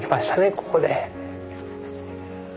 ここで。